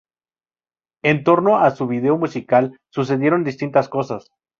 En torno a su video musical, sucedieron distintas cosas.